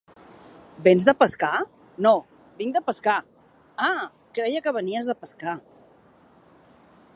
—Vens de pescar? —No, vinc de pescar! —Ah! Creia que venies de pescar...